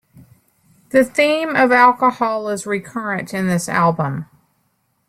The theme of alcohol is recurrent in this album.